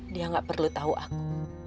dia gak perlu tahu aku